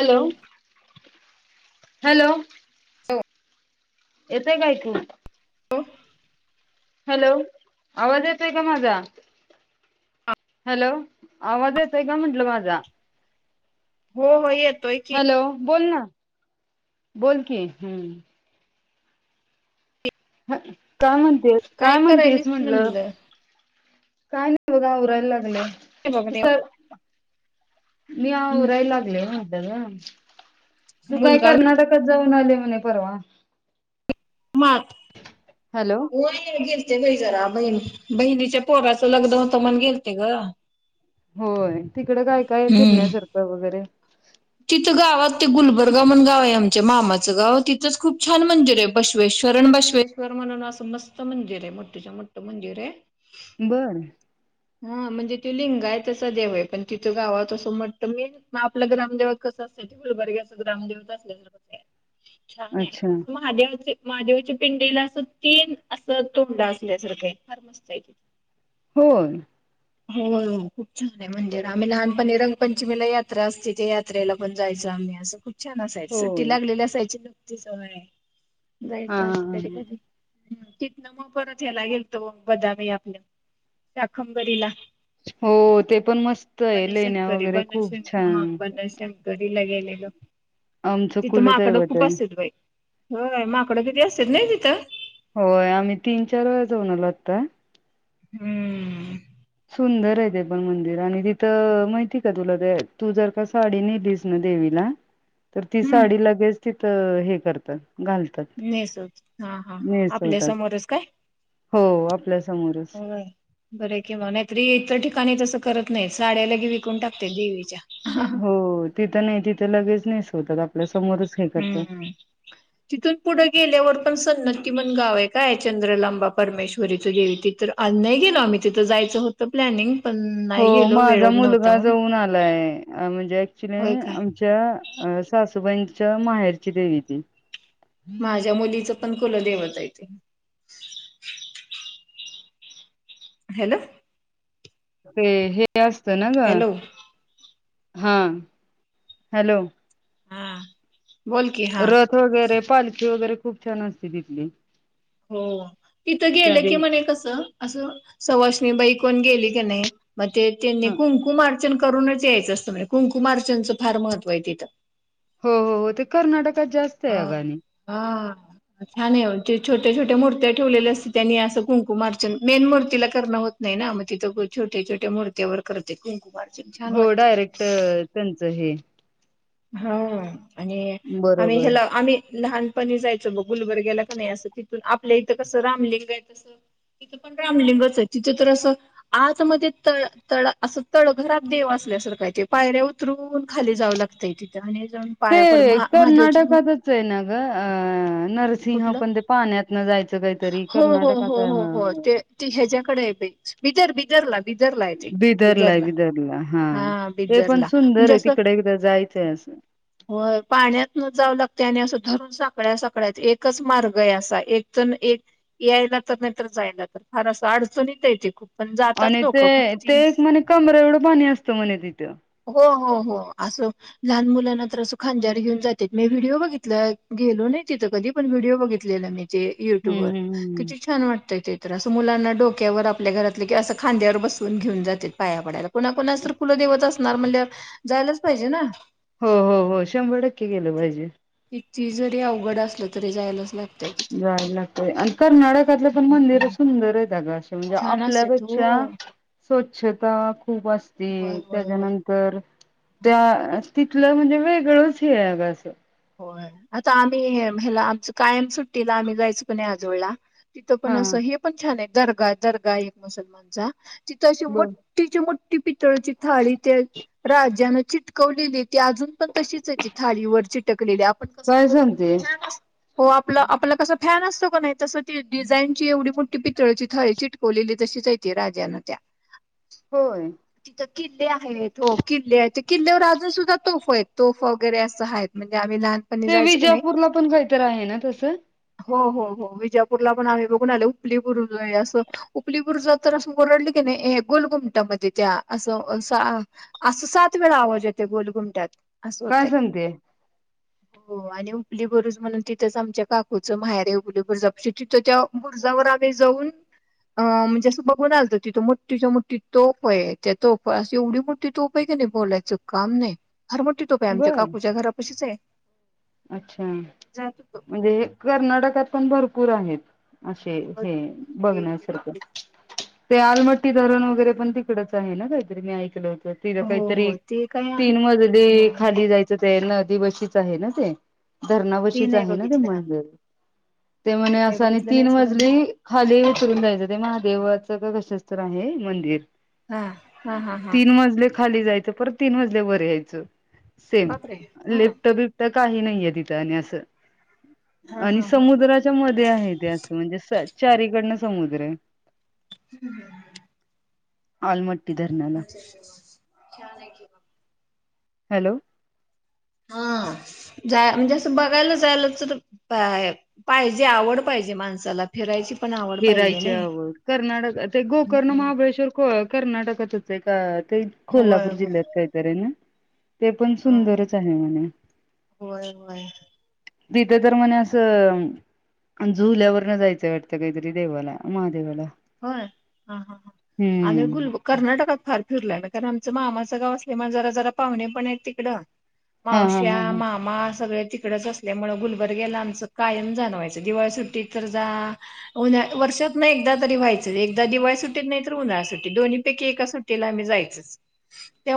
Hello? Hello? येतय का आयकू? हो, हॅलो! आवाज येतोय का माझा? हॅलो! आवाज येतोय का म्हंटलं माझा? हो, हो येतोय, की हॅलो बोल ना बोल की हम्, ह काय म्हणतेस, काय म्हणतेस करायलीस म्हणटलं, म्हणलं काय नाही बघ आवरय लागले, बघ [unintelligible] मी ते आवरलोय लागले म्हटल, ग तू काय मुलगा करणार जाऊन आले म्हणे परवा, मग, हॅलो? हो गेलते बाई जरा, बहीण बहिणीच्या पोगाचं लग्न होतं म्हणून गेलते ग. होय, तिकडं काय, काय हम्म. फिरण्यासारखं वगैरे, तिथं गावात ते गुलबर्गा म्हण गाव आहे, आमच्या मामाचं गाव तिथंच खूप छान मंदिर आहे. बसवेश्वर आणि, बसवेश्वर म्हणून असं मस्त मंदिर आहे, मोठे मोठं मंदिर आहे. बर, हा म्हणजे ती लिंग आहे, तसं देव आहे पण तिचं गाव तसं म्हटतं मी, ना आपल ग्रामदैवत, कस अस [unintelligible] अस ग्रामदेव अस कस छान आहे अच्छा अस, महादेवाचे महादेवच्या पिंडीला असं, तीन असं तोंड असल्यासारखं फार मस्त आहे. [unintelligible] हो, हो खूप छान आहे मंदिर, आम्ही लहानपनी रंगपंचमीला यात्रा असते त्या, जत्रेला पण जायचो आम्ही, असं खूप छान असायच होय सुट्टी लागलेली असायची सवय आहे. जायचं हा आम्ही कधी, हा कधी, ह तिथन मग परत ह्याला, गेलतो बदामी आपल्या शाखंबरीला, हो ते पण मस्त आहे, लेण्या वगैरे खूप छान, शंकरीला गेलेलो आमचं तिथं, माकडं कुलदैवत खूप आहे. असेल बाई, होय माकडं किती, असतेत नाही तिथं, होय आम्ही तीन चार वेळा, जाऊन आलो आता. हम्म, सुंदर आहे ते पण मंदिर आणि, तिथं माहिती का तुला ते, तू जर का साडी नेलीस ना देवीला [unintelligible] तर ती साडी लगेच, तिथ हे करतात घालत. नेसच हा, हा हा आपल्या समोरच काय? हो आपल्यासमोरच, बरे किंवा नाहीतरी इतर, ठिकाणी तसं करत नाहीत साड्या लगे विकून टाकते देवीच्या, हो तिथं नाही तिथं लगेच, नेसवतात आपल्या समोरच हे करतात. हम्म, [unintelligible] तिथून पुढं गेल्यावर पण, सन्नती म्हणून एक गाव आहे, काय चंद्रलांबा परमेश्वरीचं जेव तित्र नाही गेलो आम्ही तिथं जायचं होतं प्लॅनिंग, पण हो नाही गेलो वेळ माझा नव्हता मुलगा म्हणून जाऊन आलाय, म्हणजे ऍक्च्युली होय काय आमच्या, सासूबाईंच्या माहेरची देवी ती, माझ्या मुलीचं पण कुलदैवत आहे ते हॅलो ते हे असतं ना ग हॅलो हा हॅलो हा बोलकी हा रथ वगैरे पालखी वगैरे खूप छान असते तिथली हो तिथं त्या गेलं दे की म्हणे कसं असं सवाषणी बाई कोण गेली की नाही मग ते त्यांनी ह कुंकुमार्चन करूनच यायचं असतं म्हणजे कुंकुमार्चनचं फार महत्त्व आहे तिथं हो हो ते कर्नाटकात जास्त आहे हा अगाने हा हा छान आहे छोट्या छोट्या मूर्त्या ठेवल्या असते त्यांनी असं कुंकुमार्चन मेन मूर्तीला करणं होतं नाही ना मग तिथं छोट्या छोट्या मुर्त्यावर करते कुकुमारचंन हो डायरेक्ट त्यांचं हे हा आणि आम्ही बरोबर हेला आम्ही लहान पण जायचं ब गुलबर्ग्याला का नाही असं तिथून आपल्या इथं कसं रामलिंग आहे तसं तिथं पण रामलिंगच आहे तिथं तर असं आजमध्ये तळ त असं तळघरात देव असल्यासार काय ते पायऱ्या उतरून खाली जाव लागत तिथ जाऊ ते कर्नाटकातच आहे ना ग नरसिंह कुठलं पण ते पाण्यातन जायचं काहीतरी हो हो कर्नाटकात हो ह हो हो ह ते ह्याच्याकडे बिदर बिदरला बिदरला आहे ते बिदरला हा ते पण बिदरला सुंदर म्हणजे आहे तिकडे एकदा जायचंय असं हो पाण्यात न जाव लागते आणि असं धरून साकळ्या साकळ्यात एकच मार्ग आहे असा एक एक यायला तर नाहीतर जायला तर फार असं अडचणीत येते खूप पण जातात लोकं भक्तीस कमरएवढं पाणी असतं म्हणे तिथं हो हो हो असं लहान मुलांना तर असं खांजर घेऊन जाते मी व्हिडिओ बघितला गेलो नाही तिथं कधी पण व्हिडिओ बघितलेला मी ते युट्यूब हम्म वर हम्म हम्म किती छान वाटतय ते तर असं मुलांना डोक्यावर आपल्या घरातले कि असं खांद्यावर बसवून घेऊन जाते पाया पडायला पुन्हा कोणास तर फुलं देवत असणार म्हण जायलाच पाहिजे ना हो हो हो शंभर टक्के गेलं पाहिजे तिची जरी अवघड असल तरी जायलाच लागते जाय लागत आणि कर्नाटकातलं पण मंदिर हम्म. सुंदर आहे का ग म्हणजे छान असत्यात हो आपल्यापेक्षा स्वच्छता खूप असते होय होय होय. त्याच्यानंतर तर त्या तिथलं म्हणजे वेगळंच हे अग असं हो आता आम्ही ह्याला आमच कायम सुट्टीला आम्ही जायचो कोण आजवळला तिथं पण हा असं हे पण छान आहे दर्गा दर्गा एक मुसलमानचा तिथं अे बर मोठ ी मोठी पितळची थाळी त्या राज्याने चट चिकवलेली ती अजून पण तशीच आहे त थाळीवर चिटकलेली आपण कस काय सांगते हो आपलं आपला कसं फॅन असतो का नाही तसं ती डिझाईनची एवढी मोठी प थाळी चिटकवलेली तशीचयेते राजान त्या होय थ किल्ले आहेत हो किल्ले आहेत किल्ल्यावर अजून सुद्धा तोफ आहेत तोफ वगैरे असं आहेत म्हणजे आम्ही लहान ते विजापूरला पण काहीतरी आहे ना तसं हो हो हो विजापूरला पण आम्ही बघून आलेो उपली बुरू असं उपली बुरज तर असं ओरडले की नाही गोलगुमटा मध्ये त्या असं असं सात वेळा आवाज येते गोलगुमट्यात असं काय होतंय सांगते हो आणि उपली बरुज म्हणून तिथंच आमच्या काकोचं माहेर आहे उली बरुजाे तिथं त्या बुरजावर आवे् जाऊन. अ म्हणजे असं बघून आलत तिथं मोठीच्या मुठी तोफ आहे त्या तोफ असशी एवढी मोठी तोफ व्हय का नाही बोलायचं काम नाही फार मोठी तोप आहे आमच्या बर काकूच्या घरापशीच आहे. अच्छा जात होतो म्हणजे हे कर्नाटकात पण भरपूर आहेत. असे हे भरपूर किल्ले वगैरे बघण्यासारखं. तोफ ते आलमट्टी धरण वगैरे पण तिकडच आहे ना काहीतरी मी ऐकलं होत. तिथं हो, काहीतरी हो ते काय आहे? तीन हा मजली खाली जायचं ते नदी बशीच आहे ना ते. धरणा ते पशीच नाही आहे ना ते बघितलं आम्ही. मंदिर ते म्हणे काही असं आणि बघितलं तीन नाही सोडा मी. मजली खाली उतरुन जायचं ते महादेवाचं का कसंच तर आहे मंदिर. हा, हा, हा, हा तीन मजले खाली जायच परत तीन मजले बरे यायचं सेम बापरे! हा, लीपट बिबटा काही नाहीये तिथं आणि असं. हा, आणि हा, हा. समुद्राच्या मध्ये आहे ते असं म्हणजे चारीकडनं समुद्र आहे. हम् हम. आलमट्टी धरन छान छान आहेऐ म हॅलो. हा जा म्हणजे असं बघायला जायला तर. पाहिजे आवड पाहिजे माणसाला फिरायची. पण आवड पाहिजे फिरायची नाही. हव कर्नाटक ते गोकर्ण हम्म. महाबळेश्वर कर्नाटकातच आहे का ते होय कोल्हापूर होय जिल्ह्यात काहीतरी आहे ना. ते पण हम्म सुंदरच आहे म्हणे. होय होय तिथे तर म्हणे असं जुल्यावर न जायचं वाटत. काहीतरी देवाला महादेवाल. होय हा हा हा आणि गुलब कर्नाटकात फार फिरलं ना कारण आमचं मामाचं गाव असल्यामुळे जरा जरा पाहुणे पण आहेत तिकडं हा हा मावश्या हा हा मामा सगळे तिकडेच असत त्यामुळं गुलबर्गेला आमचं कायम जाणवायचं दिवाळी सुट्टीत तर जा. हो वर्षात न एकदा. तरी व्हायचं एकदा दिवाळी सुट्टीत नाही तर उन्हाळ्या सुटी दोन्हीपैकी एका सुटीला आम्ही जायच.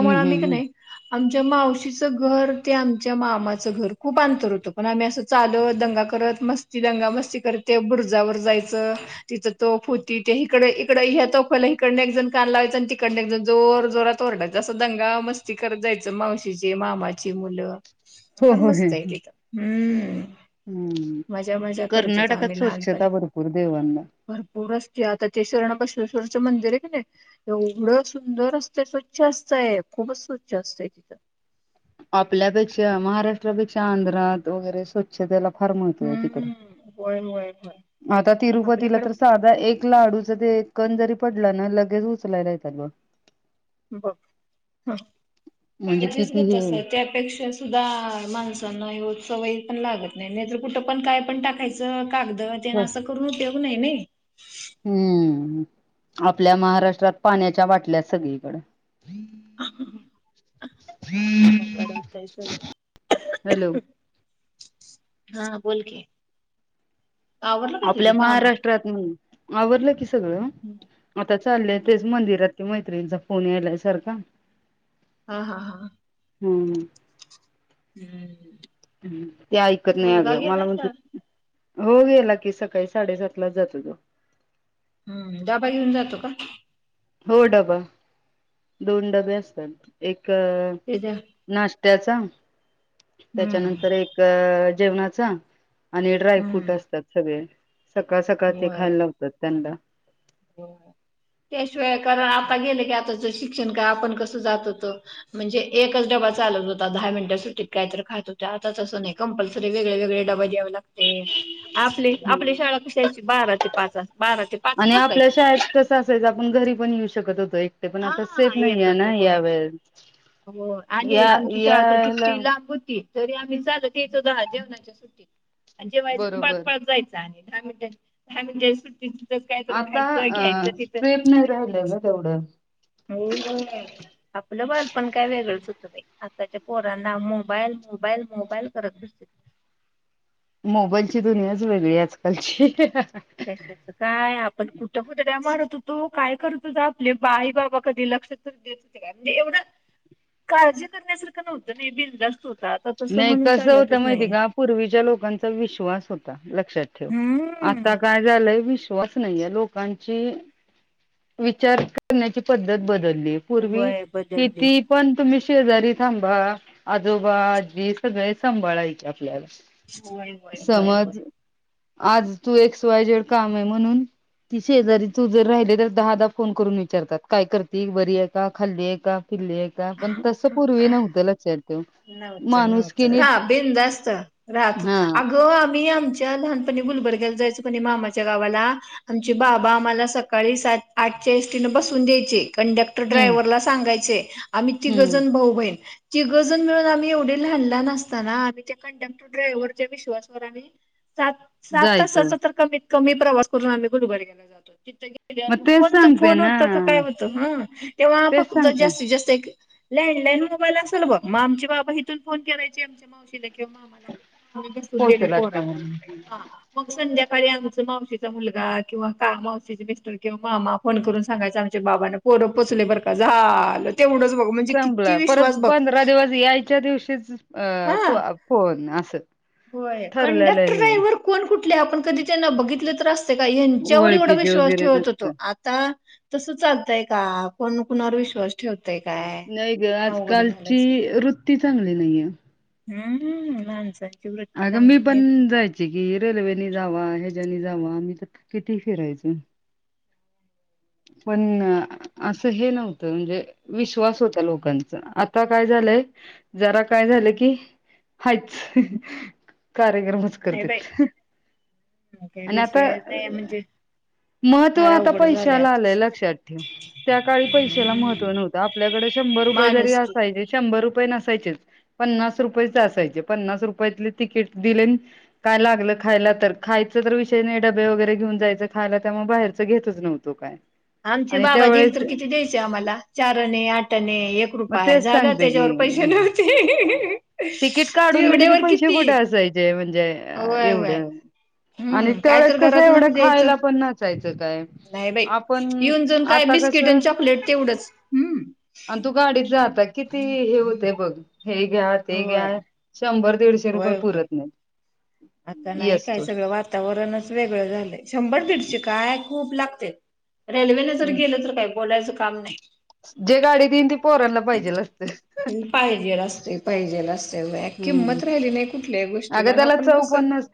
हम्म हम्म आम्ही का हम्म नाही आमच्या मावशीचं घर ते आमच्या मामाचं घर खूप अंतर होतं. पण आम्ही असं चालत दंगा करत मस्ती दंगा मस्ती करते बुरजावर जायचं. तिथं तो. होती त्या हकडे इकड ह्या तोफ्याला इकडने एक जण कान लावायचं आणि तिकडनने एक जण जोर जोरात तोरडाचा असं दंगा मस्ती करत जायचं मावशीची मामाची मुलं. हो फार हो हे मस्त आहे तीत हम्म. हम्म मजा मजा करत होतो आम्ही कर्नाटकात स्वच्छता भरपूर देवांना पर असते आता ते शर्णा बसवेश्वरचं मंदिर आहे काी नाही एवढं सुंदर असतं स्वच्छ असतय खूपच स्वच्छ असतंय तिथं. आपल्यापेक्षा महाराष्ट्रापेक्षा आंध्रात वगैरे स्वछ. स्वच्छतेला फार महत्व आहे तिकडं हम्म होय होय होय आता तिरुपतीला आपल्याकडे तर. एक लाडूच ते कण जरी पडला ना लगेच उचलायला येतात बघ. बघ म्हणजे पाहिजेच किती ग हे तस त्यापेक्षा सुधा माणसांना सवयी पण लागत नाही नाही तर कुठं पण काय पण टाकायचं. कागद तेन अस करून उपयोग नाही नाही. हम्म आपल्या महाराष्ट्रात पाण्याच्या बाटल्या सगळीकड अवघड होतंय सगळं. हॅलो. हा बोल की. आवरलं का आपल्या तुझी कामं? महाराष्ट्रात आवरलं कि सगळं हम्म. आता चाललंय तेच मंदिरात. कि मैत्रीणीचा फोन यायला सारखा. हा हा हा. हम्म हम्म. हम्म. ती ऐकत नाही मुलगा अगं मला गेला म्हणते, शाळेत? हो गेला की, सकाळी साडेसात लाच जातो तो. हम्म डबा घेऊन जातो का? हो डबा, दोन डबे असतात एक हे तर, नाश्त्याचा, हम्म त्याच्यानंतर एक जेवणाचा. आणि हम्म ड्रायफ्रूट असतात सगळे, सकाळ सकाळ ते होय खायला लावतात त्यांना. त्याशिवाय कारण आता गेले की, आताच शिक्षण का आपण कसं जात होतो. म्हणजे एकच डबा चालत होता. दहा मिनिट सुटीत काय तर खात होतो आता तसं नाही. कंपल्सरी वेगळेवेगळे डबा द्याव लाग ते, आपले आपली शाळा कशी अशी बारा ते पाच, बारा ते पाच तसंच आपण घरी पण येऊ शकत होतो. एकटे पण आता हा सेफ येत नये होतो ना होय. यावेेळेस. हो, आणि आमची शाळा तर किती लांब होती. तरी आम्ही चालत यायचो, दहा जेवणाच्या सुट्टीत आणि जेवायचं आणि पळत बरोबर पळत जायचं. दहा मिनटं, दहा मिनटं, दहा मिनटं सुट्टी त काय तर आता खायचं अ घ्यायचं तिथं, सेफ नाही राहिलं गं तेवढं. होय होय. आपलं बालपण काय वेगळंच होतं बाई. आताच्या पोरांना मोबाईल, मोबाईल, मोबाईल करत बसत्याती. मोबाईलची दुनियाच वेगळी आजकालची. अश, काय आपण कुठं हुदड्या‌ मारत होतो, काय करत होतो. आपले बाई बाबा कधी लक्ष तरी देत. म्हणजे, एवढं काळजी करण्यासारखं नव्हतं नी बिनधास्त होतं. आता तसं नाही म्हणून कसं चालतच होतं माहिती नाही. का पूर्वीच्या लोकांचा विश्वास होता. लक्षात ठेव आता हम्म काय, [unintelligible] विश्वास नाहीे ये लोकांची, विचार करण्याची पद्धत बदली. पूर्वी होय बदलले किती पण तुम्ही शेजारी थांबा. आजोबा आजी सगळे सांभाळायचे आपल्याला, होय होय होय होय. समज, आज तू एक्स व्हाय झेड काम आहे म्हणून. ती शेजारी तू जर राहिली तर, दहा दा फोन करून विचारतात. काय करती‌ बरी आहे का खाल्ली ये का, किल्ली आहे का, पण तसं पूर्वी नव्हत लक्षात ठेव. नव्हतं नव्हतं माणुसकीने हा बिनधास्त राहत हा होतं. अगं, आम्ही आमच्या लहानपणी गुलबर्ग्याला जायचो कणी मामाच्या गावाला. आमचे बाबा आम्हाला, सकाळी सात आठच्या एसटी न बसून द्यायचे कंडक्ट त्या हम्म ड्राइवरला सागायंचे, आम्ही हम्म तीघजन भाऊ बहीण तीघजन. अजून मिळून आम्ही एवढे लहान लहान असताना. आम्ही त्या कंडक्टरडायव्हरच्या विश्वासवर आम्ही, सात, सात जायचं तासाचा तर कमीत कमी प्रवास करून आम्ही गुलबर्ग्याला जातो मग तीत. तेच फोन तर सांगते फोन ना होत का, काय होतं ह तेव्हा तेच फक्त सांगते जास्तीत जास्त एक. लँडलाईन मोबाईल असेल बघ. मग आमचे बाबा हिथून फोन करायचे आमच्या मावशीला. मामाला हा, मग बसून गेले पोहोचलात का पोरांना म्हणून हा. मग संध्याकाळी आमचा मावशीचा मुलगा किंवा, मावशीचे मिस्टर किंवा मामा. फोन करून सांगायच. आमच्या बाबांना पोर पोचले बर का झालं तेवढंच. हो म्हणजे किती संपला परत विश्वास बघ. पंधरा दिवस यायच्या दिवशीच हा फोन असं. होय, कंडक्टर ठरलेलं हे ड्रायव्हर कोण कुठले आपण कधी त्यांना बघितलं तर अस. हेच्यावर एवढा ओळखीचे विश्वास वगैरे ठेवत होतो. नसतं. आ ता तस चालतंय का, कोण कुणार विश्वास ठेवतेय काय. नाही गं अवघड झालंय आजकालची सगळं वृत्ती चांगली नाहीये. हम्म लाहानच आहे अगं मी पण जायच की रेल्वे जावा ह्याच्यानी जावा आम्ही तर किती फिरायचं पण असं हे नव्हतं म्हणजे विश्वास होता लोकांचा आता काय झालंय जरा काय झालं की हायच कार्यक्रमच करतेत ह्या आणि विशेष च नाही म्हंणजे त आता पैशाला आला लक्षात ठेव त्या काळी पैशाला महत्व नव्हतं आ आपल्याकडे शंभर रुपये जरी माणुसकी असाय शंभर रुपय नसायचे च पन्नास रुपय असायचे पन्नास रुपयात तिकीट दिले काय लागलं खायला तर खायचं तर विषय नाही डबे वगैरे घेऊन जायचं खायला त्यामुळे बाहेरच घेतच नव्हतो काय आमचे आणि बाबा त्यावेेळेस दिल तर किती द्यायचे आम्हाला चारने आठने एक मग रुपय तेच झाला सांगते की त्याच्यावर पैसे ना तिकीट काढून दिले की पैसे किती कुठे असायचे म्हणजे होय होय एवढं आणि हम्म त्या काय वेळेस तर कसं घरात न एवढं द्यायचं खायला पण नसायचं काय नाही बाई आपण येऊन जाऊन काय आता बिस्किट कसं आणि चॉकलेट तेवढंच हम्म आणि तू गाडीत जात किती होतय बघ हे घ्या ते होय घ्या शंभर दीडशे होय होय पुरत नाहीत आता नाही येस काय तोवर सगळं वातावरणच वेगळं झालंय शंभर दीडशे काय खूप लागते रेल्वेने जर गेलं तर काही बोलायचं काम नाही. जे गाडी देईन ते पोरांला पाहिजेल असत. पाहिजे असते पाहिजे असते व हम्म. किंमत राहिली नाही कुठल्याही गोष्टी अगं त्याला चव पन नसते